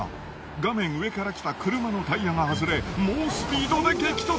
画面上から来た車のタイヤが外れ猛スピードで激突！